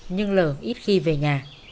nhưng lờ ít khi về nhà